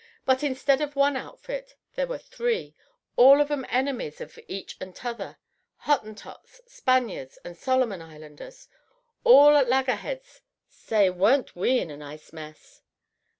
But instead of one outfit, there were three, all of 'em enemies of each and tother Hottentots, Spaniards, and Solomon Islanders, all at lagerheads. Say, weren't we in a nice mess!"